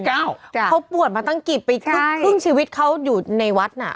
เขาปวดมาตั้งกี่ปีครึ่งชีวิตเขาอยู่ในวัดน่ะ